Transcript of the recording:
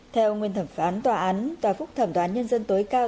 theo nguyên thẩm phán tòa án tòa phúc thẩm tòa án nhân dân tối cao